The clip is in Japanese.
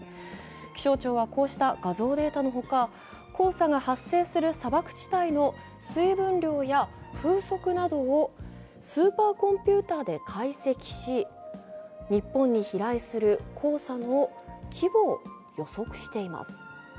気象庁はこうした画像データのほか黄砂が発生する砂漠地帯の水分量や風速などをスーパーコンピュータで解析し日本に飛来する黄砂の規模を予測しています。